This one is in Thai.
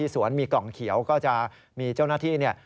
สวนมีกล่องเขียวก็จะมีเจ้าหน้าที่เนี่ย